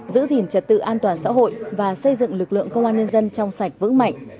giữ gìn trật tự an toàn xã hội và xây dựng lực lượng công an nhân dân trong sạch vững mạnh